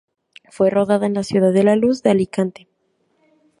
Fue rodada en la Ciudad de la Luz de Alicante.